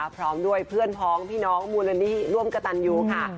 พร้อมด้วยเพื่อนพ้องพี่น้องมูลนิธิร่วมกระตันยูค่ะ